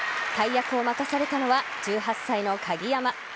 大役を任されたのは１８歳の鍵山。